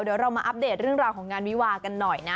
เดี๋ยวเรามาอัปเดตเรื่องราวของงานวิวากันหน่อยนะ